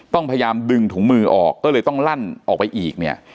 ต้องพยายามดึงถุงมือออกก็เลยต้องลั่นออกไปอีกเนี่ย